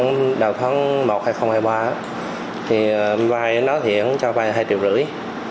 vẫn đầu tháng một hay không hay qua thì vay đó thì ổng cho vay hai triệu rưỡi